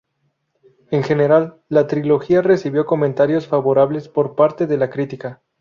En general, la trilogía recibió comentarios favorables por parte de la crítica.